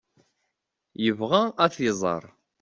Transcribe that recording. Yebɣa ad t-iẓer.